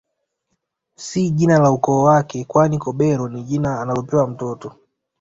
Si jina la ukoo wake kwani Kobero ni jina analopewa mtoto